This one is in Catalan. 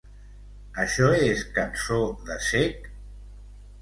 Això és cançó de cec?